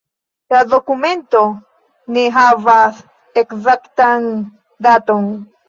La dokumento ne havas ekzaktan daton.